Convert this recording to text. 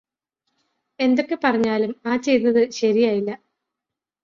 എന്തൊക്കെ പറഞ്ഞാലും ആ ചെയ്തത് ശരിയായില്ല.